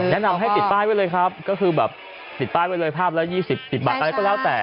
แนะนำให้ติดป้ายไว้เลยครับก็คือแบบติดป้ายไว้เลยภาพละ๒๐ติดบัตรอะไรก็แล้วแต่